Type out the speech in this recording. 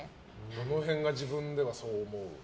どの辺が自分ではそう思いますか？